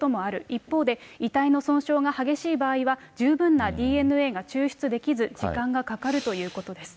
一方で、遺体の損傷が激しい場合は、十分なＤＮＡが抽出できず、時間がかかるということです。